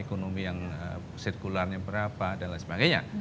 ekonomi yang sirkularnya berapa dan lain sebagainya